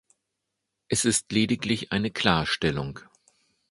Es ist lediglich eine Klarstellung.